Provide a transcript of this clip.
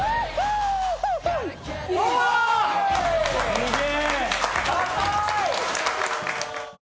・すげえ